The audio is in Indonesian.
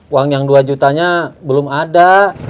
uang yang dua jutanya belum ada